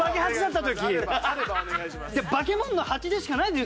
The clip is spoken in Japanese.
バケモンの蜂でしかないでしょ